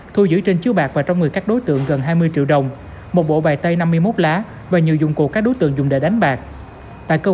thu giữ trên chiếu bạc và trong người các đối tượng gần hai mươi triệu đồng một bộ bài tay năm mươi một lá và nhiều dụng cụ các đối tượng dùng để đánh bạc